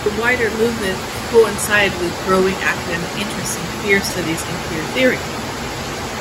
The wider movement coincided with growing academic interests in queer studies and queer theory.